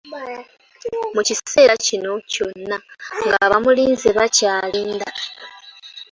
Mu kiseera kino kyonna ng’abamulinze bakyalinda.